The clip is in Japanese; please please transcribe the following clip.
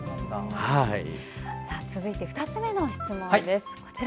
続いて２つ目の質問です。